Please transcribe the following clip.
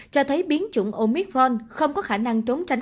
cho thấy biến chủng omitron không có khả năng trốn tránh